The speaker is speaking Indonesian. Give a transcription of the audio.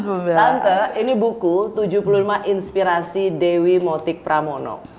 tante ini buku tujuh puluh lima inspirasi dewi motik pramono